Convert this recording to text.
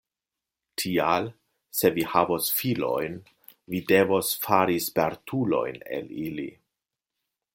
Tial, se vi havos filojn vi devos fari spertulojn el ili.